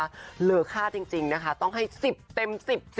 เหลือค่าจริงนะคะต้องให้๑๐เต็ม๑๐